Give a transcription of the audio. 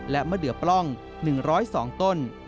และมะเดือปล้อง๑๐๒ต้น